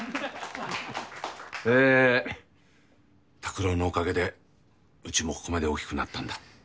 え拓郎のおかげでうちもここまで大きくなったんだ。